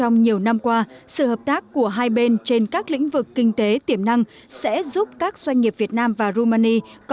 nga và mỹ thảo luận về các hiệp ước kiểm soát vũ khí